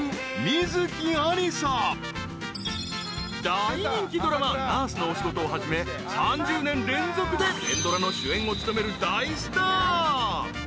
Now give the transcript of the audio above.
［大人気ドラマ『ナースのお仕事』をはじめ３０年連続で連ドラの主演を務める大スター］